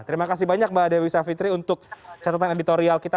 terima kasih banyak mbak dewi savitri untuk catatan editorial kita